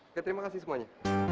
oke terima kasih semuanya